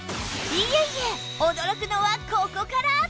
いえいえ驚くのはここから！